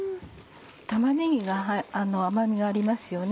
玉ねぎが甘みがありますよね。